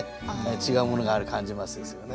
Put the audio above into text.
違うものがある感じますですよね。